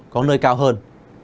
có nơi cao hơn